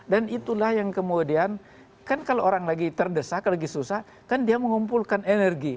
dan itulah yang kemudian kan kalau orang lagi terdesak lagi susah kan dia mengumpulkan energi